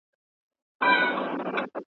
کليسا غوښتل چي خلګ مذهبي واوسي.